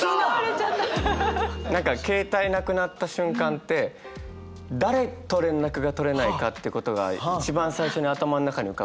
何か携帯なくなった瞬間って誰と連絡が取れないかってことが一番最初に頭の中に浮かぶと思うんですよ。